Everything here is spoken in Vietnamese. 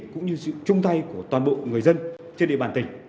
cũng như sự chung tay của toàn bộ người dân trên địa bàn tỉnh